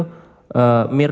oke kalau memang seperti itu